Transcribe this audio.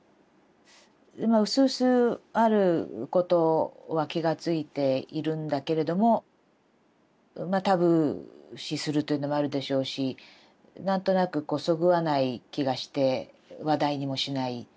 うすうすあることは気が付いているんだけれどもタブー視するというのもあるでしょうし何となくこうそぐわない気がして話題にもしない。